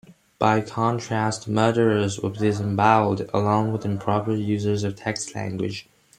By contrast, murderers would be disembowelled, along with improper users of text language.